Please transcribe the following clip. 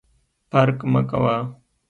فرق مه کوه !